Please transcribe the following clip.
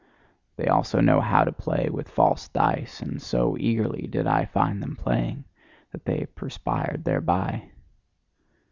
They also know how to play with false dice; and so eagerly did I find them playing, that they perspired thereby.